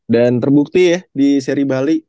dan terbukti ya di seri bali